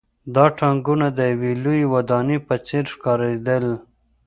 دا ټانکونه د یوې لویې ودانۍ په څېر ښکارېدل